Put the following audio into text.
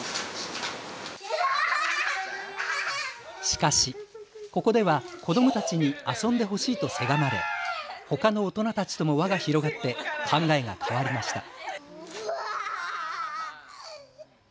しかし、ここでは子どもたちに遊んでほしいとせがまれほかの大人たちとも輪が広がって考えが変わりました。